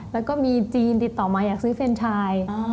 แล้วก็มีจีนติดต่อมาอยากซื้อเฟรนชาย